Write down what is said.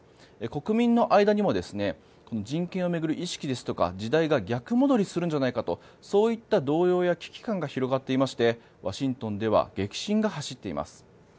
国民の間にも人権を巡る意識ですとか時代が逆戻りするんじゃないかといった動揺や危機感が広がっていましてワシントンでは激震が走っています。